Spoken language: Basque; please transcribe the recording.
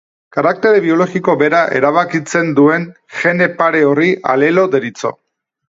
Karaktere biologiko bera erabakitzen duen gene pare horri alelo deritzo.